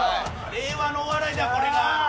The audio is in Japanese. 令和のお笑いだこれが。